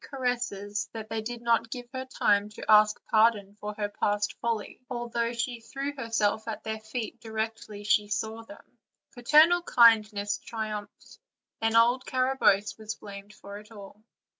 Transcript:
caresses that they did not give her time to ask pardon for her past folly, although she threw herself at their feet directly she saw them; paternal kindness triumphed, and old Carabosse was blamed for it all.